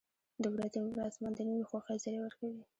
• د ورځې روڼ آسمان د نوې خوښۍ زیری ورکوي.